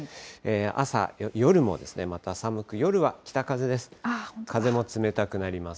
朝、夜もまた寒く、夜は北風です。